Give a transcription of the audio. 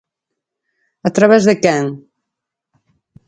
¿A través de quen?